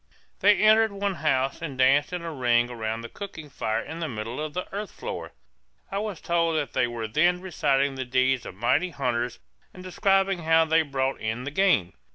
They entered one house and danced in a ring around the cooking fire in the middle of the earth floor; I was told that they were then reciting the deeds of mighty hunters and describing how they brought in the game.